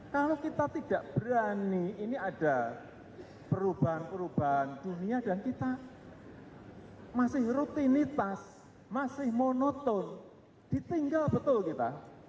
kalau kita tidak berani ini ada perubahan perubahan dunia dan kita masih rutinitas masih monoton ditinggal betul kita